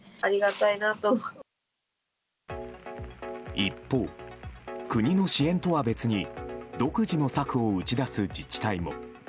一方、国の支援とは別に独自の策を打ち出す自治体も。